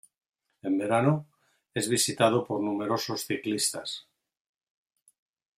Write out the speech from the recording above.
En verano, es visitado por numerosos ciclistas.